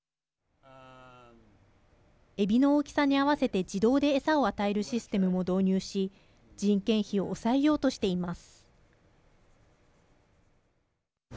えびの大きさに合わせて自動で餌を与えるシステムも導入し人件費を抑えようとしています。